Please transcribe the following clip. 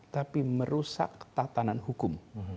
tapi merusak tatanan hukum